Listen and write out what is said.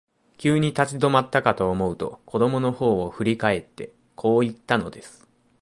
急に立ち止まったかと思うと、子供のほうを振り返って、こう言ったのです。